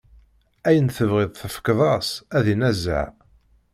Ayen tebɣiḍ tefkeḍ-as, ad inazeɛ.